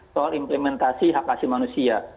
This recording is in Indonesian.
soal implementasi hak asli manusia